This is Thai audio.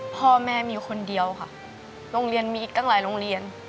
พ่อแม่มีคนเดียวค่ะโรงเรียนมีอีกตั้งหลายโรงเรียน